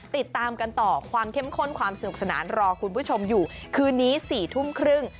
ติดตามกันต่อความเข้มข้นความสนุกสนานรอคุณผู้ชมอยู่คืนนี้๔ทุ่มครึ่ง